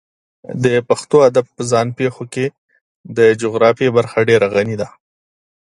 د پښتو ادب په ځان پېښو کې د جغرافیې برخه ډېره غني ده.